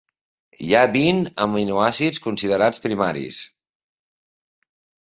Hi ha vint aminoàcids considerats primaris.